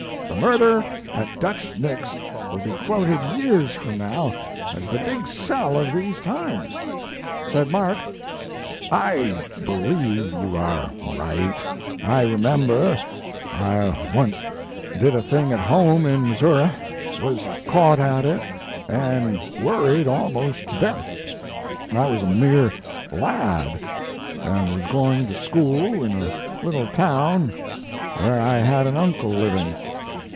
The murder at Dutch Nick's will be quoted years from now as the big sell of these times." Said Mark: "I believe you are right; I remember I once did a thing at home in Missouri, was caught at it, and worried almost to death. I was a mere lad, and was going to school in a little town where I had an uncle living.